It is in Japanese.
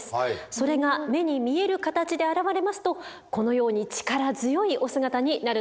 それが目に見える形で現れますとこのように力強いお姿になるのでございます。